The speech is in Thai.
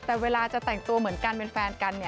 แต่เวลาจะแต่งตัวเหมือนกันเป็นแฟนกัน